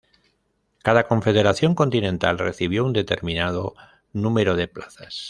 Cada confederación continental recibió un determinado número de plazas.